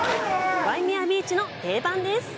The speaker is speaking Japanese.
ワイメアビーチの定番です。